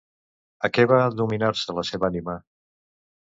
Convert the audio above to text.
A què va dominar-se la seva ànima?